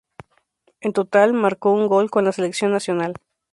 En total, marcó un gol con la selección nacional.